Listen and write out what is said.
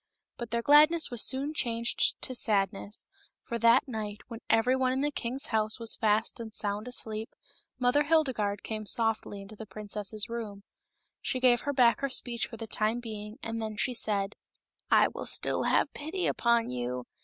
But their gladness was soon changed to sadness, for that night, when every one in the king's house was fast and sound asleep, Mother Hilde garde came softly into the princess's room. She gave her back her speech for the time being, and then she said. " I will still have pity upon you.